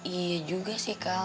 iya juga sih kal